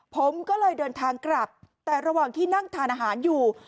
ผมก็เลยเดินทางกลับแต่ระหว่างที่นั่งทานอาหารอยู่